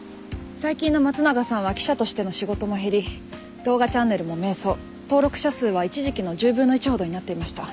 最近の松永さんは記者としての仕事も減り動画チャンネルも迷走登録者数は一時期の１０分の１ほどになっていました。